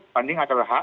banding adalah hak